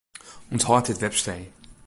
Unthâld dit webstee.